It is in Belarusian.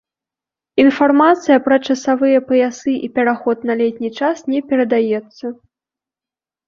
Інфармацыя пра часавыя паясы і пераход на летні час не перадаецца.